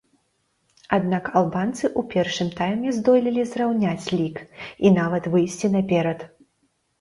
Аднак албанцы ў першым тайме здолелі зраўняць лік і нават выйсці наперад.